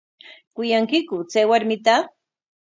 ¿Kuyankiku chay warmita?